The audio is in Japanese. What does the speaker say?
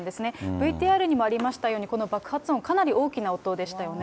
ＶＴＲにもありましたように、この爆発音、かなり大きな音でしたよね。